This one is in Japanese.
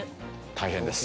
大変です。